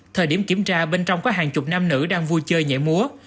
thời điểm kiểm tra bên trong có hàng chục nam nữ đang vui chơi nhảy múa